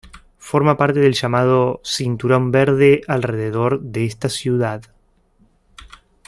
Forma parte del llamado "Cinturón Verde" alrededor de esta ciudad.